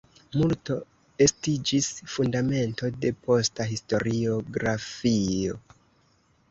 Multo estiĝis fundamento de posta historiografio.